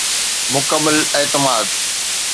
مڪمل اعتماد.